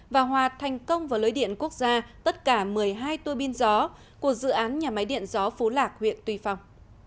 và hòa thành công vào lưới điện quốc gia tất cả một mươi hai tuôi bin gió của dự án nhà máy điện gió phú lạc huyện tuy phong